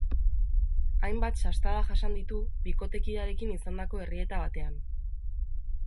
Hainbat sastada jasan ditu bikotekidearekin izandako errieta batean.